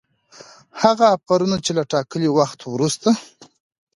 هغه آفرونه چي له ټاکلي وخته وروسته